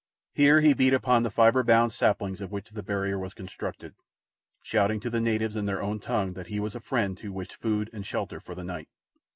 Here he beat upon the fibre bound saplings of which the barrier was constructed, shouting to the natives in their own tongue that he was a friend who wished food and shelter for the night.